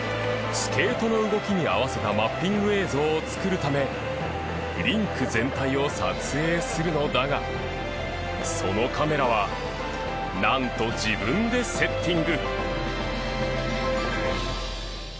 スケートの動きに合わせたマッピング映像を作るためリンク全体を撮影するのだがそのカメラはなんと自分でセッティング。